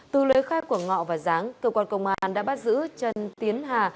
từ lưới khai của ngọ và giáng cơ quan công an đã bắt giữ trần tiến hà